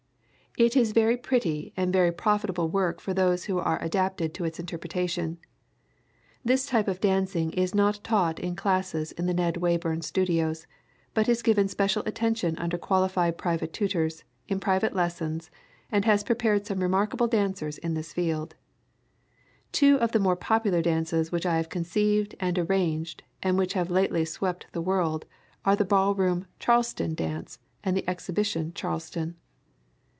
It is very pretty and very profitable work for those who are adapted to its interpretation. This type of dancing is not taught in classes in the Ned Wayburn Studios, but is given special attention under qualified private tutors, in private lessons, and has prepared some remarkable dancers in this field. Two of the popular dances which I have conceived and arranged and which have lately swept the world are the ballroom "Charleston" dance and the exhibition "Charleston."